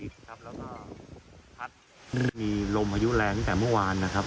ขึ้นมายุอีกครับแล้วก็พัดมีลมพายุแรงตั้งแต่เมื่อวานนะครับ